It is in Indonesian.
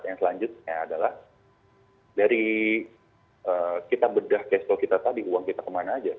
yang selanjutnya adalah dari kita bedah cash flow kita tadi uang kita kemana aja